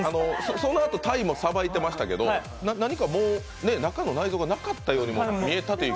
そのあと、タイもさばいてましたけど、何かもう、中の内臓がなかったように見えたという？